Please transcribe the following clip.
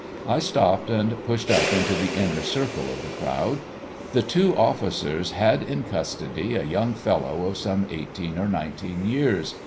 I stopped and pushed up into the inner circle of the crowd. The two officers had in custody a young fellow of some eighteen or nineteen years.